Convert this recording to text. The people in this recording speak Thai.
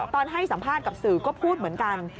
ตอนให้สัมภาษณ์กับสื่อก็พูดเหมือนกัน